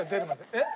えっ？